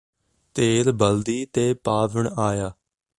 ਤੇਲ ਬਲਦੀ ਤੇ ਪਾਵਣ ਆਇਆ